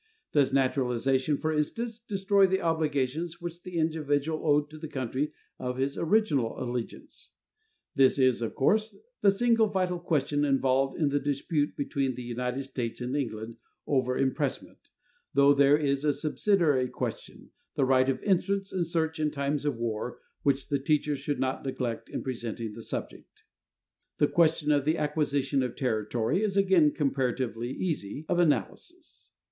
Does naturalization, for instance, destroy the obligations which the individual owed to the country of his original allegiance? This is, of course, the single vital question involved in the dispute between the United States and England over impressment, though there is a subsidiary question, the right of entrance and search in times of war which the teacher should not neglect in presenting the subject. The question of the acquisition of territory is again comparatively easy of analysis.